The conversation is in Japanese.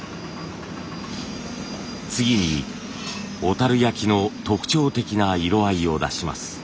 次に小焼の特徴的な色合いを出します。